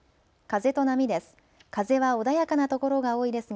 風と波です。